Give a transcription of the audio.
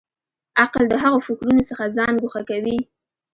عقل د هغو فکرونو څخه ځان ګوښه کوي.